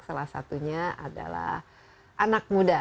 salah satunya adalah anak muda